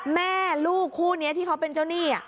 แม่ลูกคู่นี้ที่เขาเป็นเจ้าหนี้